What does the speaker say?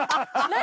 何？